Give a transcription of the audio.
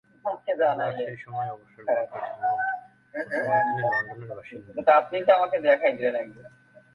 Adler সেই সময়েই অবসর গ্রহণ করেছিলেন এবং বর্তমানে তিনি লন্ডনের বাসিন্দা।